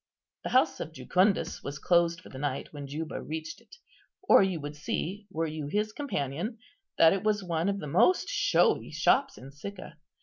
The house of Jucundus was closed for the night when Juba reached it, or you would see, were you his companion, that it was one of the most showy shops in Sicca.